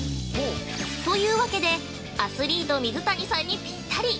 ◆というわけで、アスリート水谷さんにぴったり！